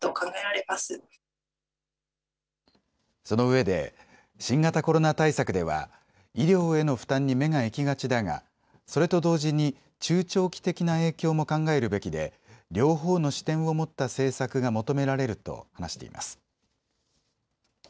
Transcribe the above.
そのうえで新型コロナ対策では医療ーのの負担に目が行きがちだが、それと同時に中長期的な影響も考えるべきで両方の視点を持った政策が求められると話しています。